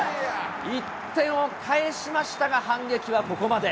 １点を返しましたが、反撃はここまで。